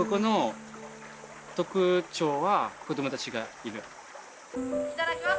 いただきます。